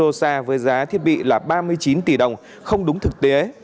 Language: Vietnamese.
robot rosa với giá thiết bị là ba mươi chín tỷ đồng không đúng thực tế